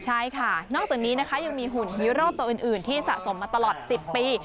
ใช่ค่ะนอกจากนี้นะคะยังมีหุ่นฮีโร่ตัวอื่นที่สะสมมาตลอด๑๐ปี